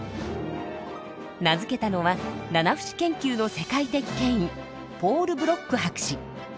名付けたのはナナフシ研究の世界的権威ポール・ブロック博士。